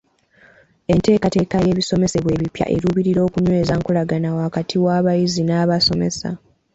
Enteekateeka y'ebisomesebwa ebipya eruubirira kunyweza nkolagana wakati w'abayizi n'abasomesa.